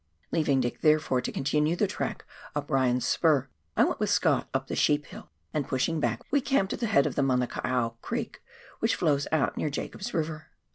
Leaving Dick, therefore, to continue the track up Ryan's Spur, I went with Scott up the sheep hill, and, pushing back, we camped at the head of the Mana kai au Creek, which flows out near Jacob's Eiver.